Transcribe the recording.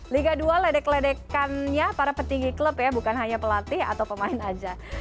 liga dua ledek ledekannya para petinggi klub ya bukan hanya pelatih atau pemain aja